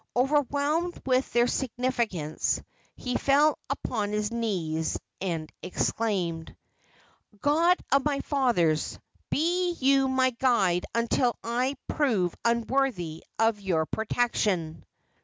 Overwhelmed with their significance, he fell upon his knees and exclaimed: "God of my fathers! be you my guide until I prove unworthy of your protection!"